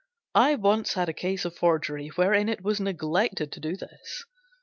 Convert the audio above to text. I once had a case of forgery wherein it was neglected to do this.